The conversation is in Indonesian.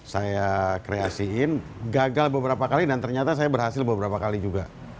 saya kreasiin gagal beberapa kali dan ternyata saya berhasil beberapa kali juga